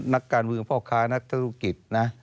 นักการวือภาคโคร้นนักธนตรุกิจนะ